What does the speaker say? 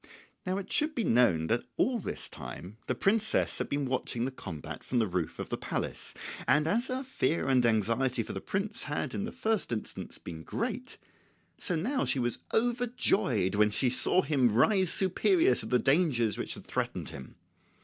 Now it should be known that all this time the princess had been watching the combat from the roof of the palace; and as her fear and anxiety for the prince had in the first instance been great, so now was she overjoyed when she saw him rise superior to the dangers which had threatened him.